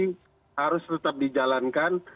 proses seleksi harus tetap dijalankan